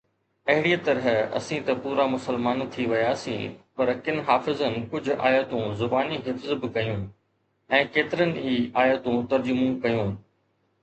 اهڙيءَ طرح اسين ته پورا مسلمان ٿي وياسين، پر ڪن حافظن ڪجهه آيتون زباني حفظ به ڪيون ۽ ڪيتريون ئي آيتون ترجمو ڪيون.